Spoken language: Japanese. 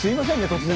突然。